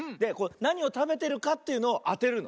なにをたべてるかというのをあてるの。